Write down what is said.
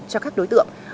cho các đối tượng